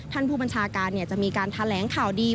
ท่านผู้บัญชาการจะมีการแถลงข่าวดี